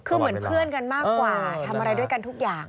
คือเหมือนเพื่อนกันมากกว่าทำอะไรด้วยกันทุกอย่าง